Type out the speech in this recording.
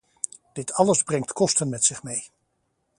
Dit alles brengt kosten met zich mee.